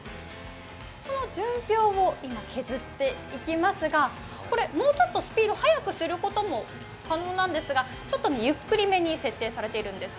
この純氷を今、削っていきますがこれ、もうちょっとスピード速くすることも可能なんですがちょっとゆっくりめに設定されているんです。